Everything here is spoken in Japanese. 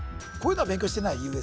こういうのは勉強してない？